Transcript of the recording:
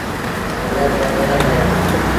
پلآٽ رآ ڪهڙآ ڦآئيدآ اهيݩ۔